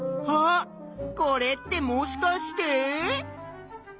これってもしかして？